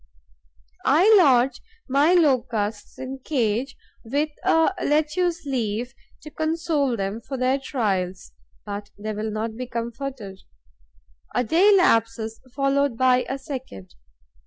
I lodge my Locusts in cages, with a lettuce leaf to console them for their trials; but they will not be comforted. A day elapses, followed by a second.